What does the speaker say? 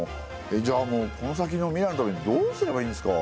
じゃあもうこの先の未来のためにどうすればいいんですか。